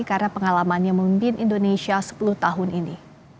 karena pengalamannya memimpin indonesia sepuluh tahun ini